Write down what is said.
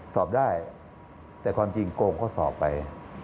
สอบได้แต่ความจริงโกงก็สอบไป